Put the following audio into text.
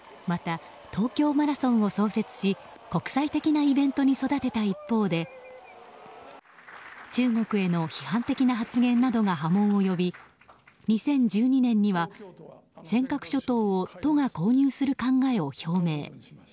また東京マラソンを創設し国際的なイベントに育てた一方で中国への批判的な発言などが波紋を呼び２０１２年には尖閣諸島を都が購入する考えを表明。